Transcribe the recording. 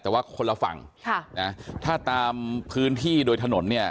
แต่ว่าคนละฝั่งค่ะนะถ้าตามพื้นที่โดยถนนเนี่ย